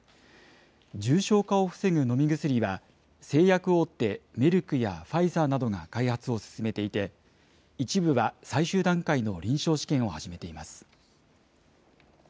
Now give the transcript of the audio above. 重症化を防ぐ飲み薬は、製薬大手、メルクやファイザーなどが開発を進めていて、一部は最終段階の臨床試験を始めています。